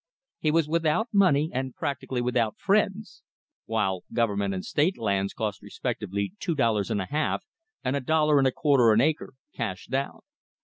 He was without money, and practically without friends; while Government and State lands cost respectively two dollars and a half and a dollar and a quarter an acre, cash down.